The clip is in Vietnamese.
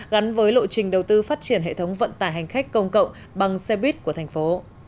gắn với lộ trình đầu tư phát triển hệ thống vận tải hành khách công cộng bằng xe buýt của thành phố